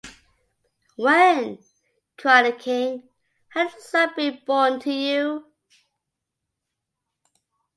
"When," cried the king, "has a son been born to you?